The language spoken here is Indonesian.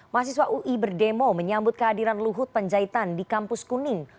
mahasiswa ui berdemo menyambut kehadiran luhut penjahitan di kampus kuning